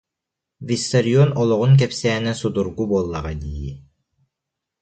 Виссарион олоҕун кэпсээнэ судургу буоллаҕа дии